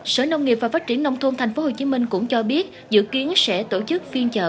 sở nông nghiệp và phát triển nông thôn tp hcm cũng cho biết dự kiến sẽ tổ chức phiên chợ